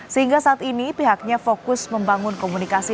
sehingga saat ini pihaknya fokus membangun komunikasi